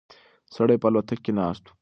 سړی په الوتکه کې ناست و.